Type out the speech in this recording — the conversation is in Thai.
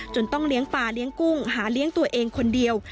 ต้องเลี้ยงปลาเลี้ยงกุ้งหาเลี้ยงตัวเองคนเดียว